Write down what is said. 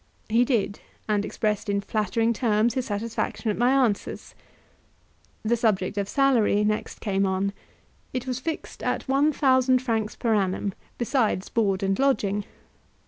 He did, and expressed in flattering terms his satisfaction at my answers. The subject of salary next came on; it was fixed at one thousand francs per annum, besides board and lodging.